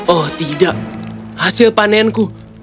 oh tidak hasil panenku